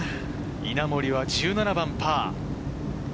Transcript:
稲森、１７番パー。